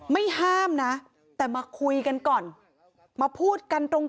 มีเรื่องอะไรมาคุยกันรับได้ทุกอย่าง